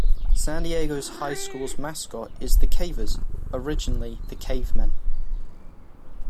San Diego High School's mascot is the Cavers - originally the Cavemen.